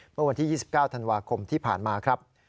เมื่อวันที่๒๙ธันวาคมที่ผ่านมาครับ